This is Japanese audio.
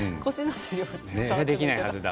そりゃ、できないはずだ。